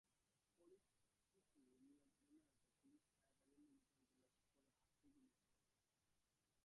পরিস্থিতি নিয়ন্ত্রণে আনতে পুলিশ শাহেদ আলীর লোকজনকে লক্ষ্য করে আটটি গুলি ছোড়ে।